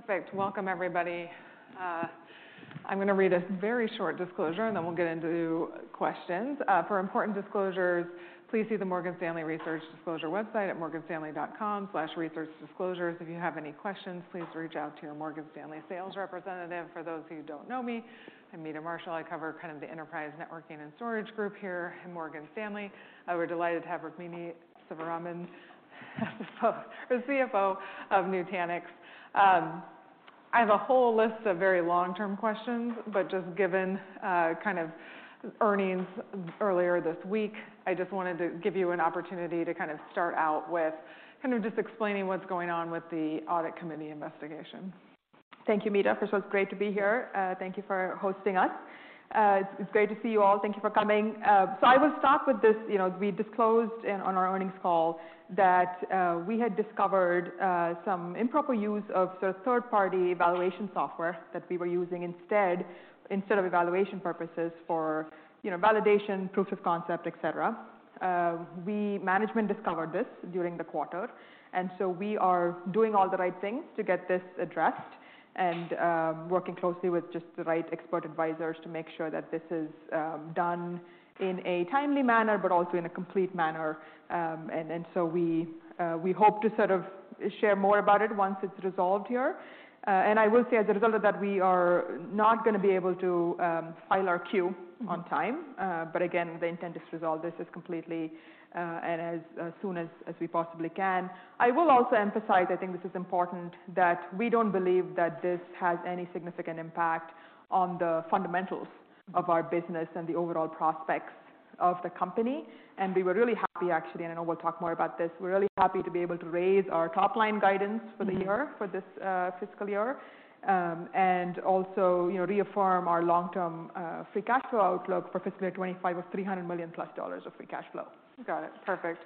Perfect. Welcome everybody. I'm gonna read a very short disclosure, and then we'll get into questions. For important disclosures, please see the Morgan Stanley Research Disclosure website at morganstanley.com/researchdisclosures. If you have any questions, please reach out to your Morgan Stanley sales representative. For those who don't know me, I'm Meta Marshall. I cover kind of the enterprise networking and storage group here at Morgan Stanley. We're delighted to have Rukmini Sivaraman, the CFO of Nutanix. I have a whole list of very long-term questions, just given kind of earnings earlier this week, I just wanted to give you an opportunity to kind of start out with kind of just explaining what's going on with the audit committee investigation. Thank you, Meta. First of all, it's great to be here. Thank you for hosting us. It's, it's great to see you all. Thank you for coming. I will start with this. You know, we disclosed on our earnings call that we had discovered some improper use of sort of third-party evaluation software that we were using instead of evaluation purposes for, you know, validation, proof of concept, et cetera. Management discovered this during the quarter, we are doing all the right things to get this addressed and working closely with just the right expert advisors to make sure that this is done in a timely manner, but also in a complete manner. We hope to sort of share more about it once it's resolved here. I will say as a result of that, we are not gonna be able to file our Q on time. Mm-hmm. Again, the intent is to resolve this as completely, and as soon as we possibly can. I will also emphasize, I think this is important, that we don't believe that this has any significant impact on the fundamentals of our business and the overall prospects of the company. We were really happy actually, and I know we'll talk more about this, we're really happy to be able to raise our top line guidance for the year for this fiscal year. Also, you know, reaffirm our long-term free cash flow outlook for fiscal year 2025 of $300 million plus of free cash flow. Got it. Perfect.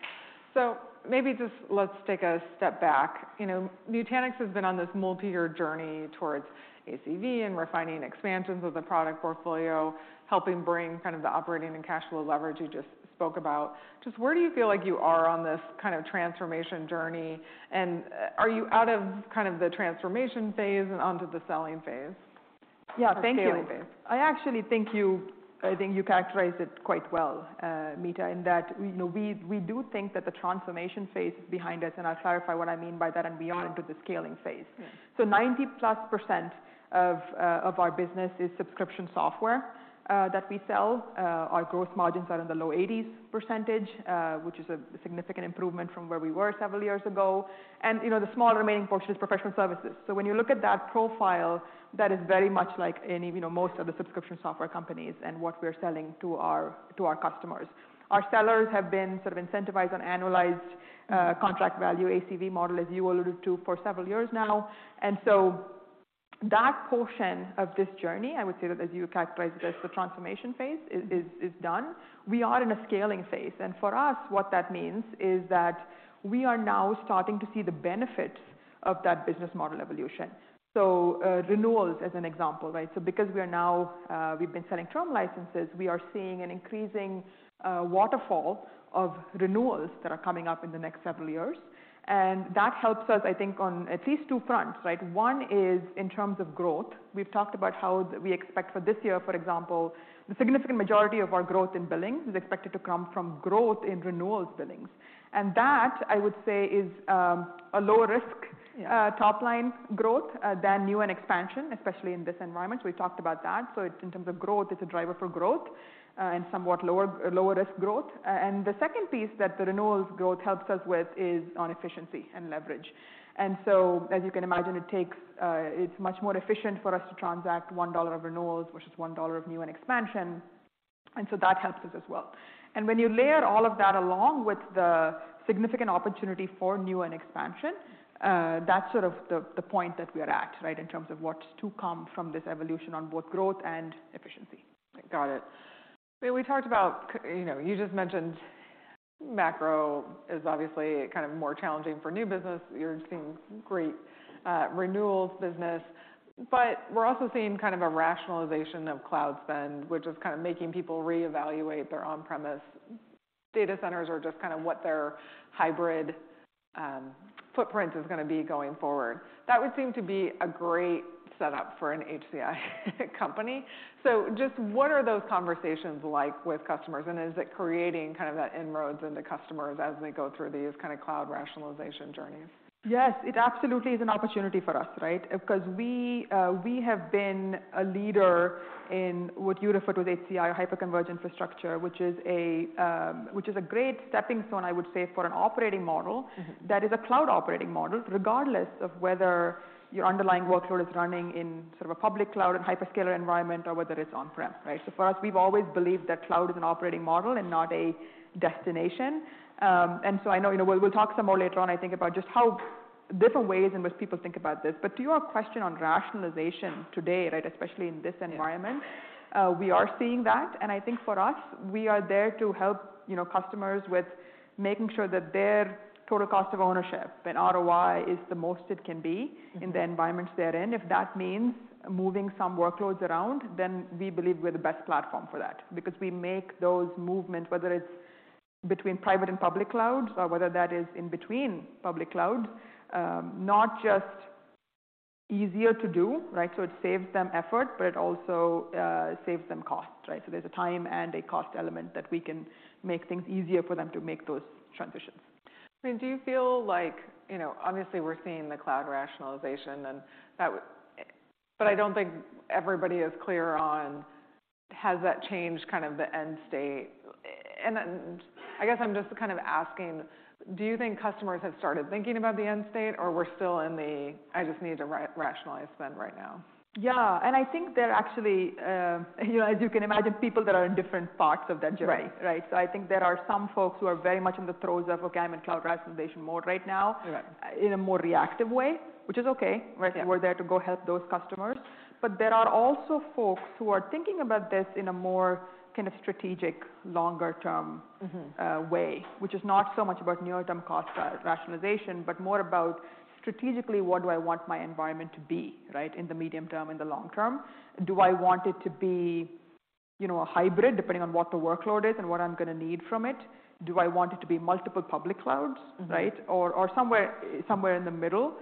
Maybe just let's take a step back. You know, Nutanix has been on this multi-year journey towards ACV and refining expansions of the product portfolio, helping bring kind of the operating and cash flow leverage you just spoke about. Just where do you feel like you are on this kind of transformation journey? Are you out of kind of the transformation phase and onto the selling phase? Yeah. Thank you. Scaling phase. I actually think you characterized it quite well, Meta, in that we, you know, we do think that the transformation phase is behind us, and I'll clarify what I mean by that, and we are into the scaling phase. Yeah. 90%+ of our business is subscription software that we sell. Our growth margins are in the low 80s%, which is a significant improvement from where we were several years ago. You know, the small remaining portion is professional services. When you look at that profile, that is very much like any, you know, most of the subscription software companies and what we're selling to our, to our customers. Our sellers have been sort of incentivized on annualized contract value, ACV model, as you alluded to, for several years now. That portion of this journey, I would say that as you characterized it, as the transformation phase is done. We are in a scaling phase. For us, what that means is that we are now starting to see the benefits of that business model evolution. Renewals as an example, right? Because we are now, we've been selling term licenses, we are seeing an increasing waterfall of renewals that are coming up in the next several years, and that helps us, I think, on at least two fronts, right? One is in terms of growth. We've talked about how we expect for this year, for example, the significant majority of our growth in billings is expected to come from growth in renewals billings. That, I would say, is a lower risk... Yeah... top line growth than new and expansion, especially in this environment. We talked about that. In terms of growth, it's a driver for growth and somewhat lower risk growth. The second piece that the renewals growth helps us with is on efficiency and leverage. As you can imagine, it takes it's much more efficient for us to transact $1 of renewals versus $1 of new and expansion. That helps us as well. When you layer all of that along with the significant opportunity for new and expansion, that's sort of the point that we're at, right, in terms of what's to come from this evolution on both growth and efficiency. Got it. We talked about you know, you just mentioned macro is obviously kind of more challenging for new business. You're seeing great renewals business. We're also seeing kind of a rationalization of cloud spend, which is kind of making people reevaluate their on-premise data centers or just kind of what their hybrid footprint is gonna be going forward. That would seem to be a great setup for an HCI company. Just what are those conversations like with customers, and is it creating kind of that inroads into customers as they go through these kind of cloud rationalization journeys? Yes, it absolutely is an opportunity for us, right? Because we have been a leader in what you referred to as HCI, Hyperconverged Infrastructure, which is a great stepping stone, I would say, for an operating model that is a cloud operating model, regardless of whether your underlying workload is running in sort of a public cloud and hyperscaler environment or whether it's on-prem, right? For us, we've always believed that cloud is an operating model and not a destination. I know, you know, we'll talk some more later on, I think, about just how different ways in which people think about this. To your question on rationalization today, right, especially in this environment. Yes... we are seeing that. I think for us, we are there to help, you know, customers with making sure that their total cost of ownership and ROI is the most it can be in the environments they're in. If that means moving some workloads around, we believe we're the best platform for that because we make those movements, whether it's between private and public cloud, or whether that is in between public cloud, not just easier to do, right? It saves them effort, but it also saves them cost, right? There's a time and a cost element that we can make things easier for them to make those transitions. I mean, do you feel like, you know, obviously we're seeing the cloud rationalization and that? I don't think everybody is clear on has that changed kind of the end state? I guess I'm just kind of asking, do you think customers have started thinking about the end state, or we're still in the, "I just need to rationalize spend right now"? Yeah. I think there are actually, you know, as you can imagine, people that are in different parts of that journey. Right. I think there are some folks who are very much in the throes of, "Okay, I'm in cloud rationalization mode right now". Right... in a more reactive way, which is okay. Yeah. Right? We're there to go help those customers. There are also folks who are thinking about this in a more kind of strategic, longer term... Mm-hmm... way, which is not so much about near-term cost rationalization, but more about strategically what do I want my environment to be, right, in the medium term, in the long term. Do I want it to be, you know, a hybrid, depending on what the workload is and what I'm gonna need from it? Do I want it to be multiple public clouds. Mm-hmm right, or somewhere in the middle?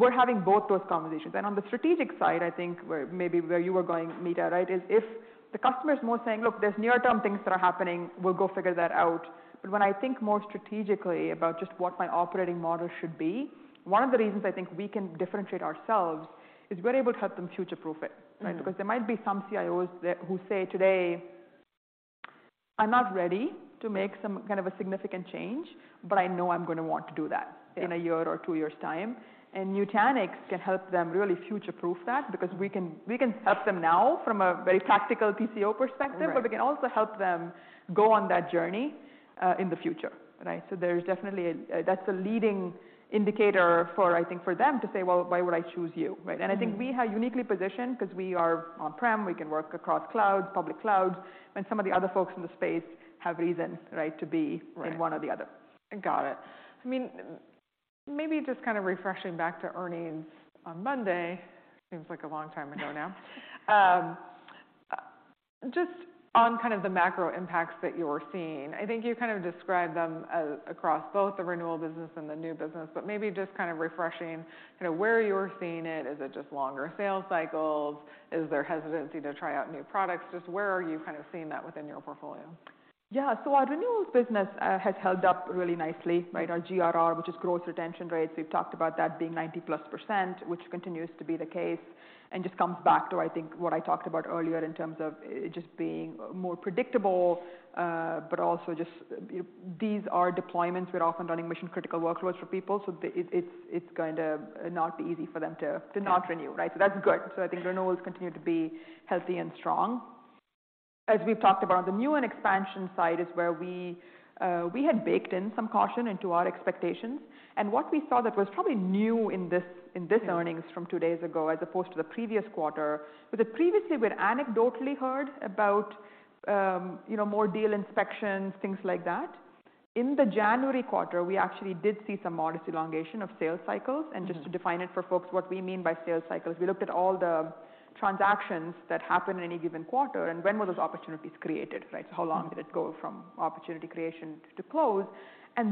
We're having both those conversations. On the strategic side, I think where you were going, Meta, right, is if the customer is more saying, "Look, there's near-term things that are happening, we'll go figure that out." When I think more strategically about just what my operating model should be, one of the reasons I think we can differentiate ourselves is we're able to help them future-proof it. Right. there might be some CIOs who say today, "I'm not ready to make some kind of a significant change, but I know I'm gonna want to do that. Yeah... in a year or 2 years' time". Nutanix can help them really future-proof that because we can help them now from a very practical TCO perspective. Right... but we can also help them go on that journey, in the future, right? There's definitely That's a leading indicator for, I think, for them to say, "Well, why would I choose you?" Right? Mm-hmm. I think we are uniquely positioned 'cause we are on-prem, we can work across clouds, public clouds, when some of the other folks in the space have reasons, right. Right in one or the other. Got it. I mean, maybe just kind of refreshing back to earnings on Monday, seems like a long time ago now. Just on kind of the macro impacts that you're seeing, I think you kind of described them across both the renewal business and the new business, but maybe just kind of refreshing, you know, where you're seeing it. Is it just longer sales cycles? Is there hesitancy to try out new products? Just where are you kind of seeing that within your portfolio? Our renewals business has held up really nicely, right? Our GRR, which is gross retention rates, we've talked about that being 90%+, which continues to be the case, and just comes back to, I think, what I talked about earlier in terms of it just being more predictable, but also just these are deployments, we're often running mission-critical workloads for people, so it's going to not be easy for them to not renew, right? That's good. I think renewals continue to be healthy and strong. As we've talked about, the new and expansion side is where we had baked in some caution into our expectations. What we saw that was probably new in this, in this earnings from two days ago as opposed to the previous quarter, was that previously we'd anecdotally heard about, you know, more deal inspections, things like that. In the January quarter, we actually did see some modest elongation of sales cycles. Just to define it for folks what we mean by sales cycles, we looked at all the transactions that happen in any given quarter and when were those opportunities created, right? How long did it go from opportunity creation to close.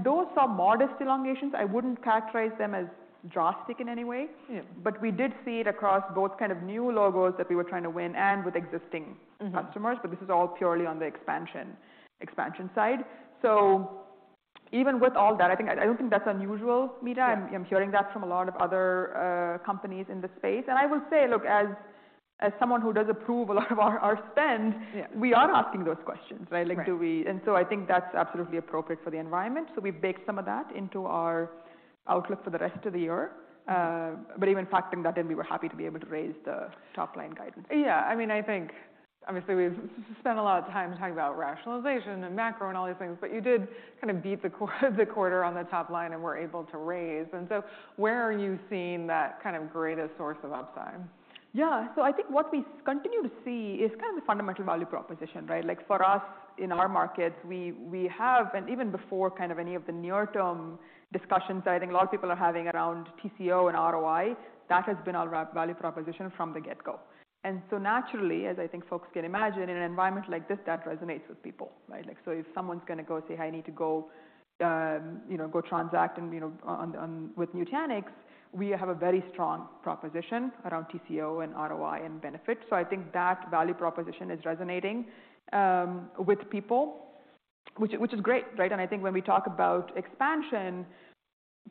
Those saw modest elongations. I wouldn't characterize them as drastic in any way. Yeah. we did see it across both kind of new logos that we were trying to win and with existing customers. This is all purely on the expansion side. Even with all that, I don't think that's unusual, Meta. Yeah. I'm hearing that from a lot of other companies in the space. I will say, look, as someone who does approve a lot of our spend. Yeah... we are asking those questions, right? Right. Like, I think that's absolutely appropriate for the environment, so we baked some of that into our outlook for the rest of the year. Even factoring that in, we were happy to be able to raise the top-line guidance. I mean, I think obviously we've spent a lot of time talking about rationalization and macro and all these things, but you did kind of beat the quarter on the top line and were able to raise. Where are you seeing that kind of greatest source of upside? Yeah. I think what we continue to see is kind of the fundamental value proposition, right? Like, for us, in our markets, we have. Even before kind of any of the near-term discussions I think a lot of people are having around TCO and ROI, that has been our value proposition from the get-go. Naturally, as I think folks can imagine, in an environment like this, that resonates with people, right? Like, if someone's gonna go say, "I need to go, you know, go transact," and, you know, on with Nutanix, we have a very strong proposition around TCO and ROI and benefits. I think that value proposition is resonating with people, which is great, right? I think when we talk about expansion,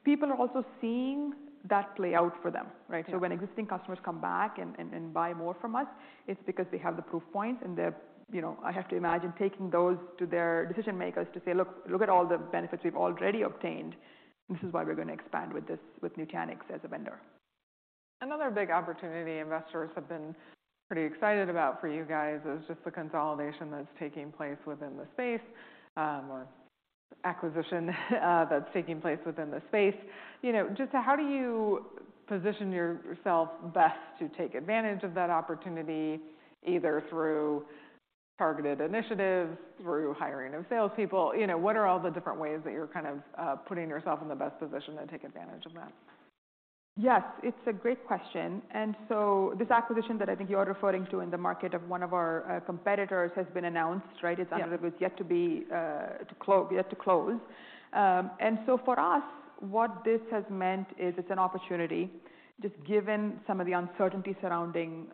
people are also seeing that play out for them, right? Yeah. When existing customers come back and buy more from us, it's because they have the proof point and they're, you know, I have to imagine, taking those to their decision-makers to say, "Look, look at all the benefits we've already obtained, and this is why we're gonna expand with this, with Nutanix as a vendor. Another big opportunity investors have been pretty excited about for you guys is just the consolidation that's taking place within the space, or acquisition, that's taking place within the space. You know, just how do you position yourself best to take advantage of that opportunity, either through targeted initiatives, through hiring of salespeople? You know, what are all the different ways that you're kind of, putting yourself in the best position to take advantage of that? Yes, it's a great question. This acquisition that I think you are referring to in the market of one of our competitors has been announced, right? Yeah. It's yet to be, yet to close. For us, what this has meant is it's an opportunity, just given some of the uncertainty surrounding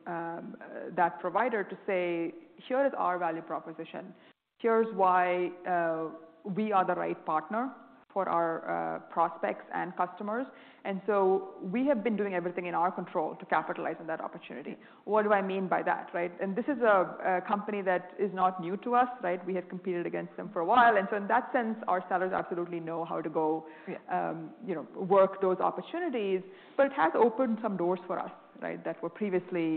that provider, to say, "Here is our value proposition. Here's why we are the right partner for our prospects and customers." We have been doing everything in our control to capitalize on that opportunity. What do I mean by that, right? This is a company that is not new to us, right? We have competed against them for a while. In that sense, our sellers absolutely know how to go- Yeah... you know, work those opportunities. It has opened some doors for us, right? That were previously,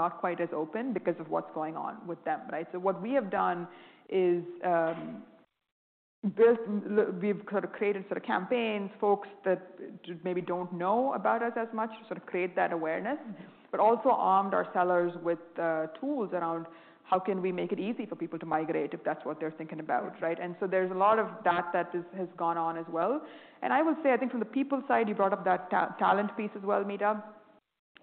not quite as open because of what's going on with them, right? What we have done is, we've sort of created sort of campaigns, folks that maybe don't know about us as much to sort of create that awareness. Also armed our sellers with tools around how can we make it easy for people to migrate, if that's what they're thinking about, right? There's a lot of that is, has gone on as well. I would say I think from the people side, you brought up that talent piece as well, Meta.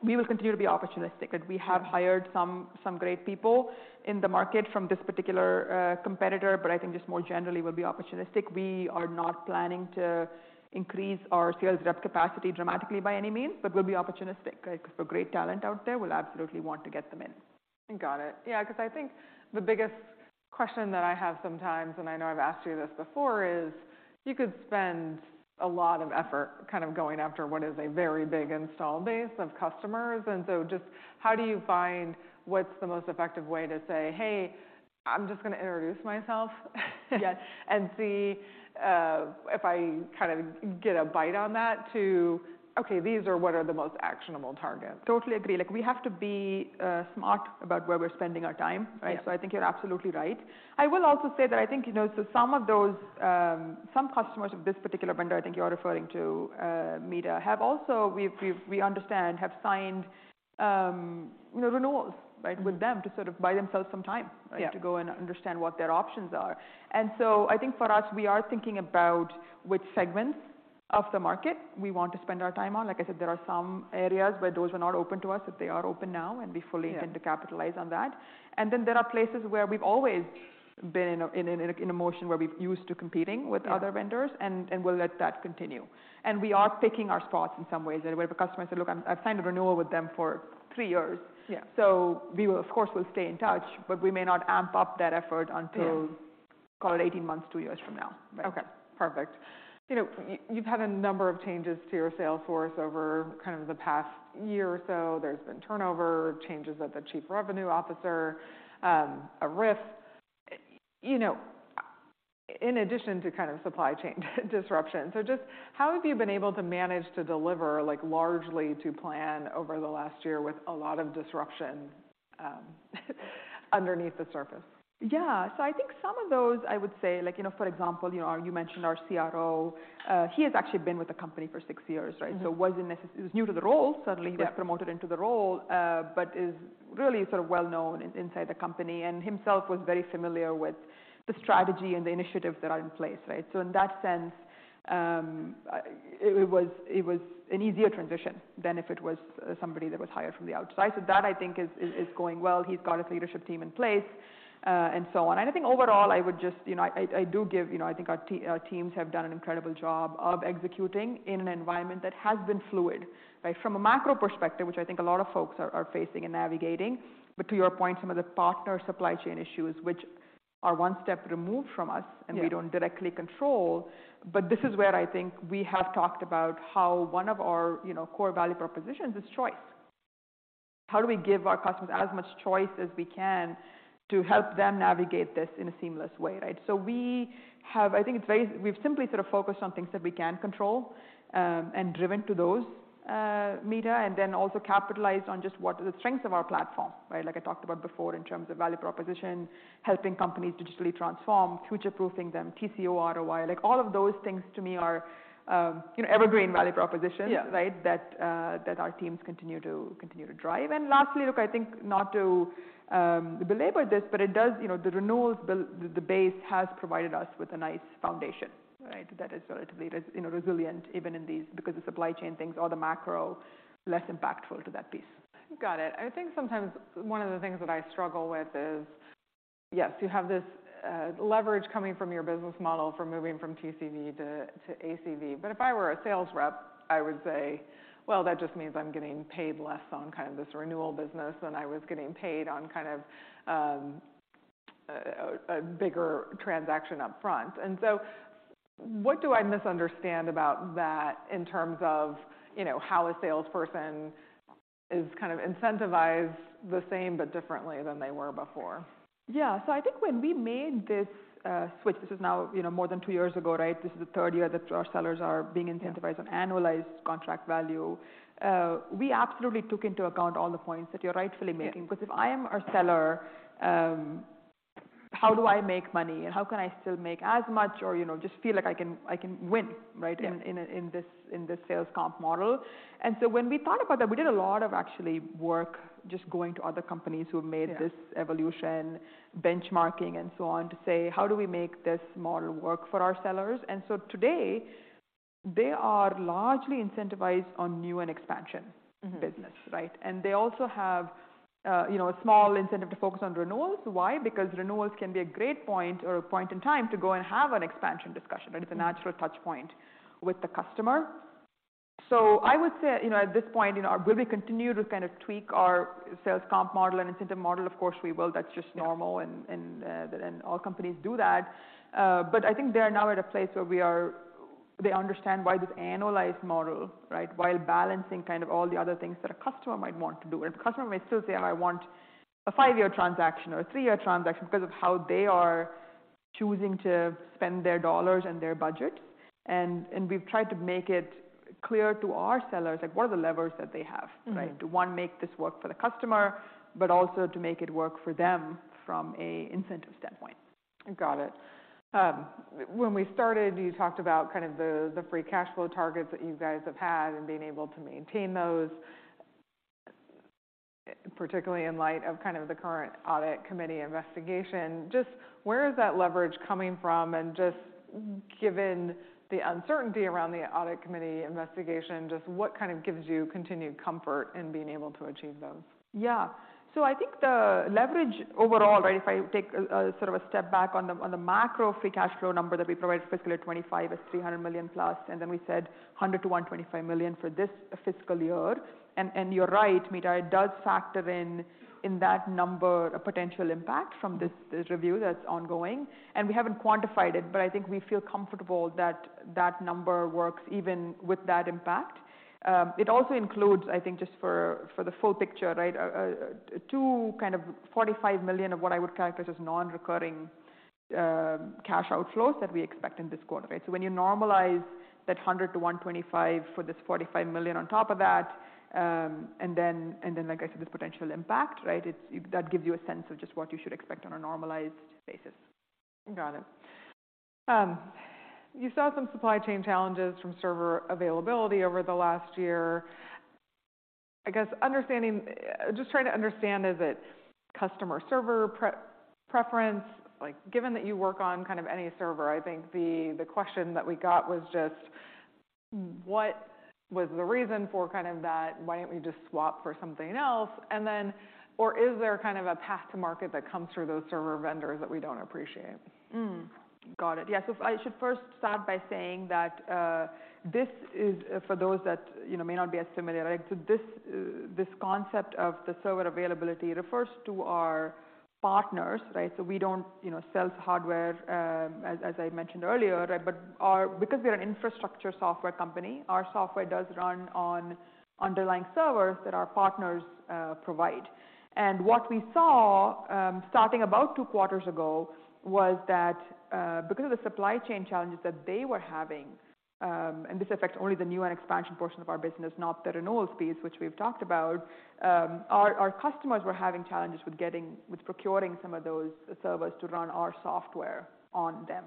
We will continue to be opportunistic. Like, we have hired some great people in the market from this particular competitor, but I think just more generally, we'll be opportunistic. We are not planning to increase our sales rep capacity dramatically by any means, but we'll be opportunistic. Like, if a great talent out there, we'll absolutely want to get them in. Got it. Yeah, because I think the biggest question that I have sometimes, and I know I've asked you this before, is you could spend a lot of effort kind of going after what is a very big install base of customers. Just how do you find what's the most effective way to say, "Hey, I'm just going to introduce myself? Yes. see, if I kind of get a bite on that," to, "Okay, these are what are the most actionable targets. Totally agree. Like, we have to be smart about where we're spending our time, right? Yeah. I think you're absolutely right. I will also say that I think, you know, so some of those, some customers of this particular vendor, I think you're referring to, Meta, have also we understand, have signed, you know, renewals, right? With them to sort of buy themselves some time. Yeah... to go and understand what their options are. I think for us, we are thinking about which segments of the market we want to spend our time on. Like I said, there are some areas where doors were not open to us, that they are open now, and we fully. Yeah... intend to capitalize on that. There are places where we've always been in a motion where we're used to competing with other vendors. We'll let that continue. We are picking our spots in some ways. Where the customer said, "Look, I've signed a renewal with them for three years. Yeah. We will, of course, will stay in touch, but we may not amp up that effort until call it 18 months, 2 years from now". Okay. Perfect. You know, you've had a number of changes to your sales force over kind of the past year or so. There's been turnover, changes at the chief revenue officer, a riff, you know, in addition to kind of supply chain disruption. Just how have you been able to manage to deliver like largely to plan over the last year with a lot of disruption, underneath the surface? Yeah. I think some of those, I would say, like, you know, for example, you know, you mentioned our CRO. He has actually been with the company for six years, right? Mm-hmm. He was new to the role. Suddenly he. Yeah... promoted into the role, but is really sort of well-known inside the company and himself was very familiar with the strategy and the initiatives that are in place, right? In that sense, it was, it was an easier transition than if it was somebody that was hired from the outside. That I think is going well. He's got his leadership team in place, and so on. I think overall, I would just, you know, I do give, you know, I think Our teams have done an incredible job of executing in an environment that has been fluid, right? From a macro perspective, which I think a lot of folks are facing and navigating. To your point, some of the partner supply chain issues, which are one step removed from us. Yeah and we don't directly control. This is where I think we have talked about how one of our, you know, core value propositions is choice. How do we give our customers as much choice as we can to help them navigate this in a seamless way, right? We've simply sort of focused on things that we can control, and driven to those, Meta Marshall, and then also capitalized on just what are the strengths of our platform, right? I talked about before in terms of value proposition, helping companies digitally transform, future-proofing them, TCO, ROI. All of those things to me are, you know, evergreen value propositions. Yeah... right? That our teams continue to drive. Lastly, look, I think not to belabor this, but it does, you know, the renewals, the base has provided us with a nice foundation, right? That is relatively you know, resilient even in these because the supply chain things or the macro less impactful to that piece. Got it. I think sometimes one of the things that I struggle with is, yes, you have this leverage coming from your business model for moving from TCV to ACV. If I were a sales rep, I would say, "Well, that just means I'm getting paid less on kind of this renewal business than I was getting paid on kind of a bigger transaction up front." What do I misunderstand about that in terms of, you know, how a salesperson is kind of incentivized the same but differently than they were before? I think when we made this switch, this is now, you know, more than two years ago, right? This is the third year that our sellers are being incentivized on Annual Contract Value. We absolutely took into account all the points that you're rightfully making. If I am a seller, how do I make money and how can I still make as much or, you know, just feel like I can, I can win, right? Yeah. In this sales comp model. When we thought about that, we did a lot of actually work just going to other companies who have made this evolution, benchmarking and so on, to say, how do we make this model work for our sellers? Today, they are largely incentivized on new and expansion business, right? They also have, you know, a small incentive to focus on renewals. Why? Because renewals can be a great point or a point in time to go and have an expansion discussion, right? It's a natural touch point with the customer. So I would say, you know, at this point, you know, will we continue to kind of tweak our sales comp model and incentive model? Of course, we will. That's just normal, and all companies do that. I think they are now at a place where they understand why this annualized model, right? While balancing kind of all the other things that a customer might want to do. The customer may still say, "I want a 5-year transaction or a 3-year transaction," because of how they are choosing to spend their dollars and their budget. We've tried to make it clear to our sellers, like, what are the levers that they have, right? To, one, make this work for the customer, but also to make it work for them from a incentive standpoint. Got it. When we started, you talked about kind of the free cash flow targets that you guys have had and being able to maintain those, particularly in light of kind of the current audit committee investigation. Just where is that leverage coming from? Just given the uncertainty around the audit committee investigation, just what kind of gives you continued comfort in being able to achieve those? I think the leverage overall, right, if I take a sort of a step back on the macro free cash flow number that we provided fiscal year 2025 is $300+ million, and then we said $100 million-$125 million for this fiscal year. You're right, Meta, it does factor in that number a potential impact from this review that's ongoing. We haven't quantified it, but I think we feel comfortable that that number works even with that impact. It also includes, I think, just for the full picture, right, two kind of $45 million of what I would characterize as non-recurring cash outflows that we expect in this quarter, right? When you normalize that 100-125 for this $45 million on top of that, and then, and then, like I said, this potential impact, right? That gives you a sense of just what you should expect on a normalized basis. Got it. You saw some supply chain challenges from server availability over the last year. I guess just trying to understand, is it customer server pre-preference? Like, given that you work on kind of any server, I think the question that we got was just what was the reason for kind of that why don't we just swap for something else? Or is there kind of a path to market that comes through those server vendors that we don't appreciate? Got it. I should first start by saying that this is for those that, you know, may not be as familiar, right? This, this concept of the server availability refers to our partners, right? We don't, you know, sell hardware, as I mentioned earlier, right? Because we're an infrastructure software company, our software does run on underlying servers that our partners provide. What we saw, starting about two quarters ago was that because of the supply chain challenges that they were having, and this affects only the new and expansion portion of our business, not the renewals piece, which we've talked about, our customers were having challenges with procuring some of those servers to run our software on them.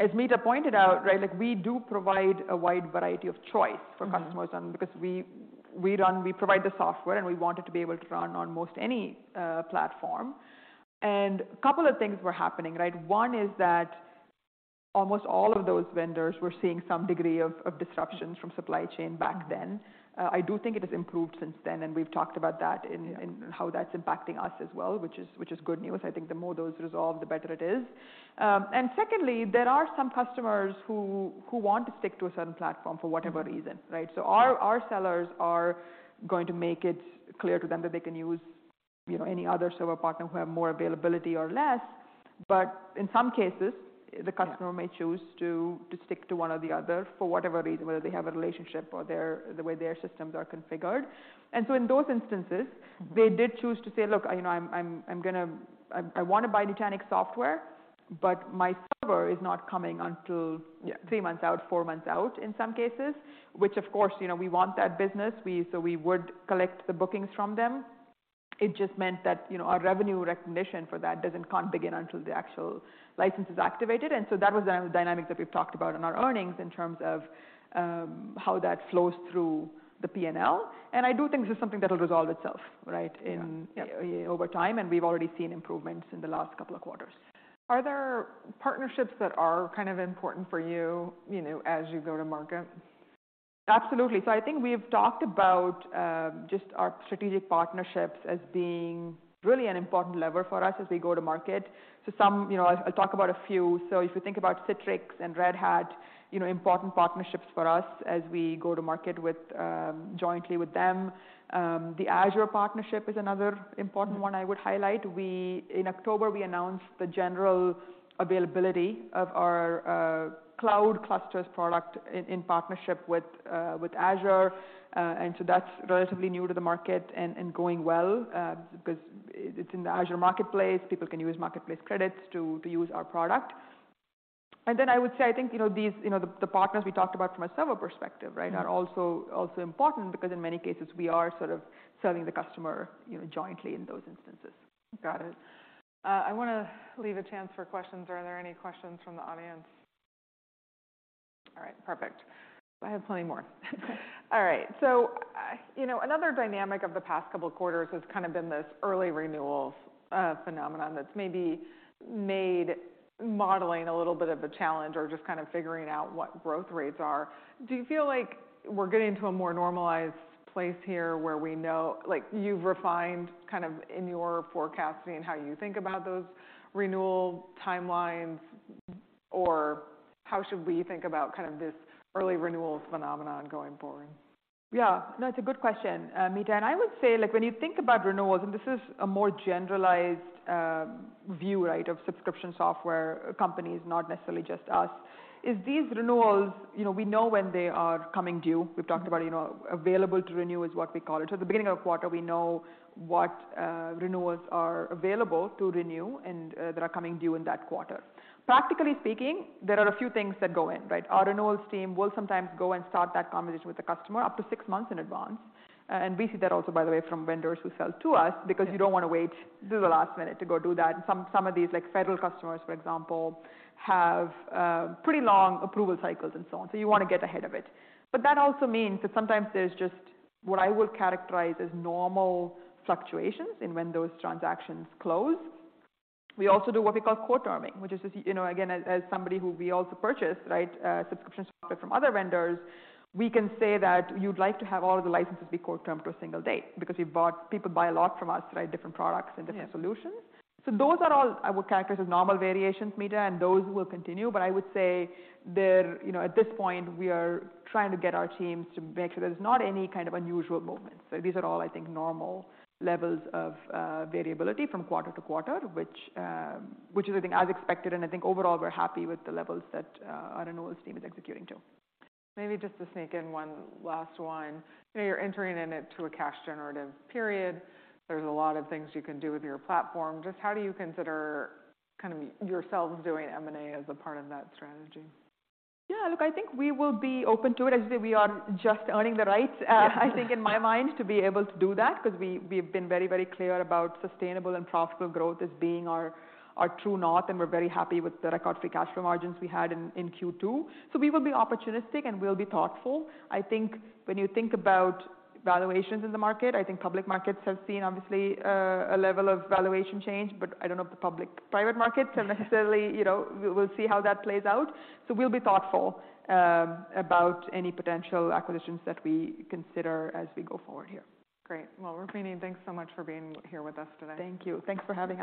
As Meta pointed out, right, like, we do provide a wide variety of choice for customers, because we provide the software, and we want it to be able to run on most any platform. A couple of things were happening, right? One is that almost all of those vendors were seeing some degree of disruptions from supply chain back then. I do think it has improved since then, and we've talked about that. Yeah. in how that's impacting us as well, which is, which is good news. I think the more those resolve, the better it is. Secondly, there are some customers who want to stick to a certain platform for whatever reason, right? Our sellers are going to make it clear to them that they can use, you know, any other server partner who have more availability or less. In some cases, the customer. Yeah. may choose to stick to one or the other for whatever reason, whether they have a relationship or the way their systems are configured. In those instances. Mm-hmm. They did choose to say, "Look, you know, I want to buy Nutanix software, but my server is not coming until three months out, four months out in some cases." Of course, you know, we want that business. We would collect the bookings from them. It just meant that, you know, our revenue recognition for that can't begin until the actual license is activated. That was the dynamic that we've talked about in our earnings in terms of how that flows through the P&L. I do think this is something that'll resolve itself, right? Yeah. over time, and we've already seen improvements in the last couple of quarters. Are there partnerships that are kind of important for you know, as you go to market? Absolutely. I think we've talked about just our strategic partnerships as being really an important lever for us as we go to market. Some, you know, I'll talk about a few. If you think about Citrix and Red Hat, you know, important partnerships for us as we go to market with jointly with them. The Azure partnership is another important one I would highlight. In October, we announced the general availability of our cloud clusters product in partnership with Azure. That's relatively new to the market and going well because it's in the Azure Marketplace. People can use marketplace credits to use our product. I would say, I think, you know, these, you know, the partners we talked about from a server perspective, right. Mm-hmm. -are also important because in many cases we are sort of serving the customer, you know, jointly in those instances. Got it. I wanna leave a chance for questions. Are there any questions from the audience? All right, perfect. I have plenty more. All right. You know, another dynamic of the past couple of quarters has kind of been this early renewals phenomenon that's maybe made modeling a little bit of a challenge or just kind of figuring out what growth rates are. Do you feel like we're getting to a more normalized place here where you've refined kind of in your forecasting how you think about those renewal timelines? Or how should we think about kind of this early renewals phenomenon going forward? Yeah. No, it's a good question, Meta. I would say, like, when you think about renewals, and this is a more generalized view, right, of subscription software companies, not necessarily just us, is these renewals, you know, we know when they are coming due. We've talked about, you know, available to renew is what we call it. At the beginning of quarter, we know what renewals are available to renew and that are coming due in that quarter. Practically speaking, there are a few things that go in, right? Our renewals team will sometimes go and start that conversation with the customer up to six months in advance. We see that also, by the way, from vendors who sell to us, because you don't wanna wait to the last minute to go do that. Some of these, like, federal customers, for example, have pretty long approval cycles and so on. You wanna get ahead of it. That also means that sometimes there's just what I would characterize as normal fluctuations in when those transactions close. We also do what we call co-terming, which is just, you know, again, as somebody who we also purchase, right, subscription software from other vendors, we can say that you'd like to have all of the licenses be co-termed to a single date because people buy a lot from us, right? Different products and different solutions. Yeah. Those are all I would characterize as normal variations, Meta, and those will continue. I would say they're. You know, at this point we are trying to get our teams to make sure there's not any kind of unusual movements. These are all, I think, normal levels of variability from quarter to quarter, which is, I think, as expected. I think overall we're happy with the levels that our renewals team is executing to. Maybe just to sneak in one last one. You know, you're entering in it to a cash generative period. There's a lot of things you can do with your platform. Just how do you consider kind of yourselves doing M&A as a part of that strategy? Yeah, look, I think we will be open to it. As you say, we are just earning the right, I think in my mind, to be able to do that, 'cause we've been very, very clear about sustainable and profitable growth as being our true north, and we're very happy with the record free cash flow margins we had in Q2. We will be opportunistic, and we'll be thoughtful. I think when you think about valuations in the market, I think public markets have seen obviously, a level of valuation change. I don't know if the public-private markets are necessarily, you know, we'll see how that plays out. We'll be thoughtful, about any potential acquisitions that we consider as we go forward here. Great. Rukmini, thanks so much for being here with us today. Thank you. Thanks for having me.